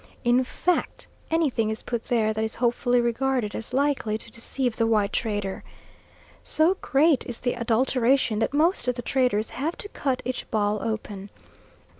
In fact, anything is put there, that is hopefully regarded as likely to deceive the white trader. So great is the adulteration, that most of the traders have to cut each ball open.